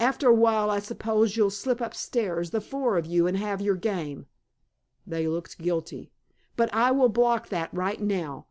"After a while, I suppose, you'll slip upstairs, the four of you, and have your game." They looked guilty. "But I will block that right now.